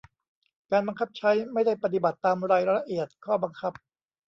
การบังคับใช้ไม่ได้ปฏิบัติตามรายละเอียดข้อบังคับ